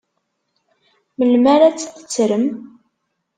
Melmi ara tt-tettrem?